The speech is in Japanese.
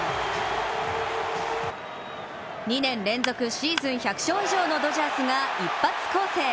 ２年連続シーズン１００勝以上のドジャースが一発攻勢。